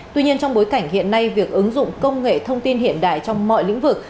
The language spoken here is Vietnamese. tuy nhiên trong bối cảnh hiện nay việc ứng dụng công nghệ thông tin hiện đại trong mọi lĩnh vực